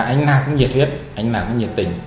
anh nào cũng nhiệt huyết anh nào cũng nhiệt tình